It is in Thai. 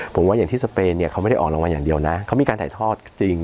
ผมว่าอย่างที่สเปนเนี่ยเขาไม่ได้ออกรางวัลอย่างเดียวนะเขามีการถ่ายทอดจริง